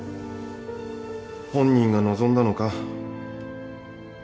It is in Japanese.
本人が望んだのか？